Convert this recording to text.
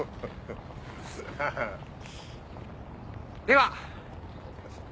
では